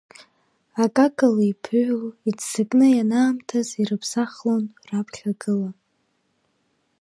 Акакала еиԥыҩло, иццакны, ианаамҭаз ирыԥсахлон раԥхьагыла.